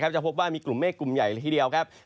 จะพบว่ามีกลุ่มเมฆกลุ่มใหญ่เลยทีเดียวครับ